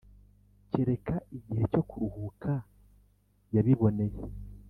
Kereka Igihe Cyo Kuruhuka Yabiboneye